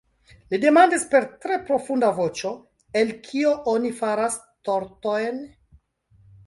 Li demandis per tre profunda voĉo:"El kio oni faras tortojn?"